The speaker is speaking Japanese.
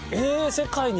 『世界に』